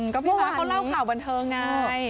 ก็พี่ม้าเขาเล่าข่าวบันเทิงไง